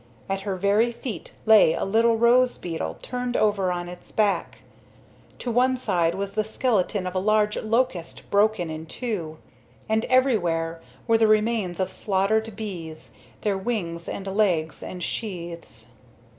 At her very feet lay a little rose beetle turned over on its back; to one side was the skeleton of a large locust broken in two, and everywhere were the remains of slaughtered bees, their wings and legs and sheaths.